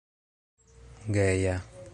geja